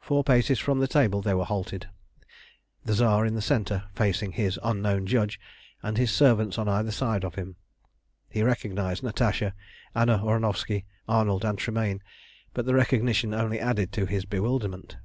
Four paces from the table they were halted, the Tsar in the centre, facing his unknown judge, and his servants on either side of him. He recognised Natasha, Anna Ornovski, Arnold, and Tremayne, but the recognition only added to his bewilderment.